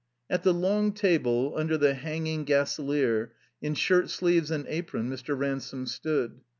At the long table, under the hanging gaselier, in shirt sleeves and apron, Mr. Ransome stood.